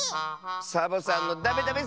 サボさんのダメダメせいじん！